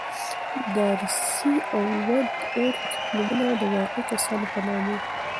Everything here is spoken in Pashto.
دارسي او ونت وُرث نومونه د واقعي کسانو په نامه وو.